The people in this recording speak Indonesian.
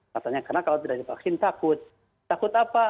katanya karena kalau tidak divaksin takut takut apa